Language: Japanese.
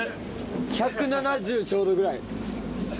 １７０ちょうどぐらい。